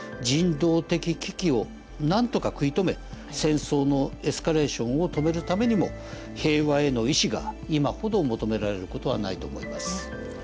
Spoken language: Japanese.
人道的危機を何とか食い止め戦争のエスカレーションを止めるためにも平和への意思が今ほど求められる事はないと思います。